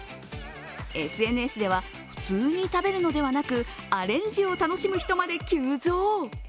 ＳＮＳでは、普通に食べるのではなくアレンジを楽しむ人まで急増。